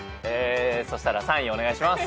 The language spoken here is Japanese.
そしたら３位お願いします。